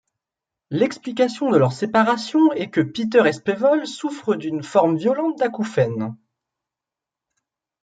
L'explication de leur séparation est que Peter Espevoll souffre d'une forme violente d'acouphène.